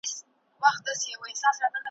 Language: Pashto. ځان یې هسي اخته کړی په زحمت وي ,